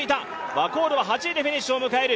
ワコールは８位でフィニッシュを迎える。